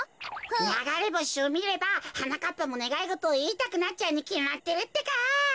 ながれぼしをみればはなかっぱもねがいごとをいいたくなっちゃうにきまってるってか。